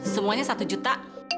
semuanya satu juta